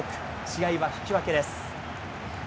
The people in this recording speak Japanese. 試合は引き分けです。